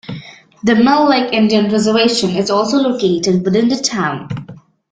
The Mole Lake Indian Reservation is also located within the town.